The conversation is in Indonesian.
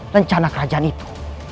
rencana kerajaan itu